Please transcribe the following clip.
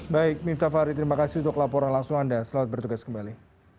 baik miftah fahri terima kasih untuk laporan langsung anda selamat bertugas kembali